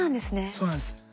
そうなんです。